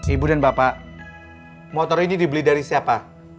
ibu dan bapak motor ini dibeli dari siapa